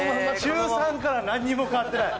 中３から何にも変わってない。